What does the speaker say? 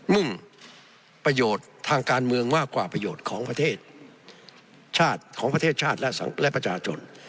มุ่งประโยชน์ทางการเมืองมากกว่าประโยชน์ของประเทศชาติและประจาจน